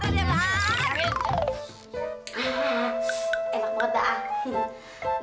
sore nya gue mau jualan lagi